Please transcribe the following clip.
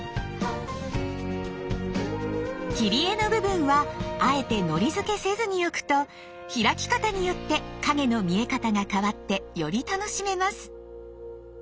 切り絵の部分はあえてのり付けせずにおくと開き方によって影の見え方が変わってより楽しめます。